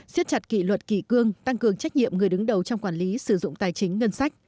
xiết chặt kỷ luật kỳ cương tăng cường trách nhiệm người đứng đầu trong quản lý sử dụng tài chính ngân sách